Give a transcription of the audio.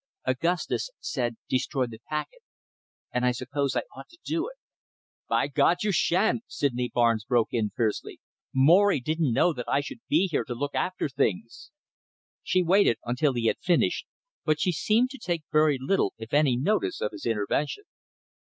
"Augustus said destroy the packet, and I suppose I ought to do it." "By God, you shan't!" Sydney Barnes broke in fiercely. "Morry didn't know that I should be here to look after things." She waited until he had finished, but she seemed to take very little, if any, notice of his intervention.